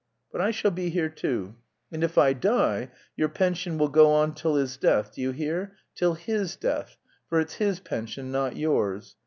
But I shall be here, too. And if I die, your pension will go on till his death, do you hear, till his death, for it's his pension, not yours.